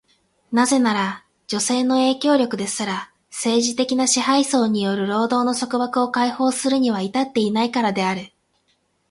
なぜなら、女性の影響力ですら、政治的な支配層による労働の束縛を解放するには至っていないからである。